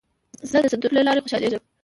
زه د سندرو له لارې خوشحالېږم.